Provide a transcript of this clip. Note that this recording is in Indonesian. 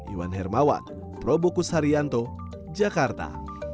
iwan hermawan probokus haryanto jakarta